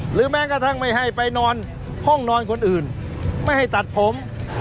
แม้กระทั่งไม่ให้ไปนอนห้องนอนคนอื่นไม่ให้ตัดผม